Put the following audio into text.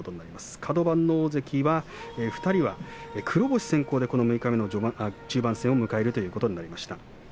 カド番の大関２人は黒星先行で中盤を迎えるということになりました。